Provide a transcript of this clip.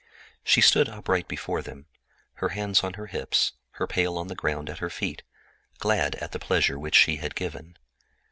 She stood upright before them, her hands on her hips, her pail on the ground at her feet, glad at the pleasure which she had given.